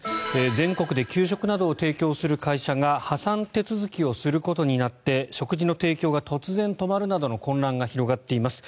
全国で給食などを提供する会社が破産手続きをすることになって食事の提供が突然止まるなどの混乱が広がっています。